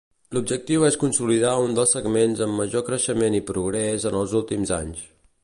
L'objectiu és consolidar un dels segments amb major creixement i progrés en els últims anys.